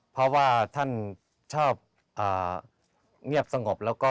เพราะว่าท่านชอบเอ่อเงียบสงบ